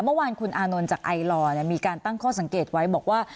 เมื่อวานคุณอานนท์จากไอลอร์มีการตั้งข้อสังเกตไว้บอกว่า